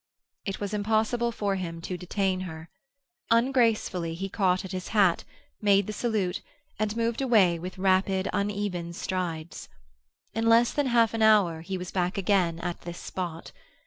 It was impossible for him to detain her. Ungracefully he caught at his hat, made the salute, and moved away with rapid, uneven strides. In less than half an hour he was back again at this spot.